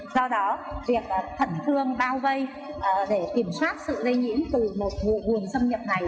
do đó việc thận thương bao vây để kiểm soát sự lây nhiễm từ một nguồn xâm nhập này